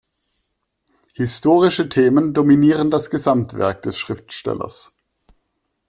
Historische Themen dominieren das Gesamtwerk des Schriftstellers.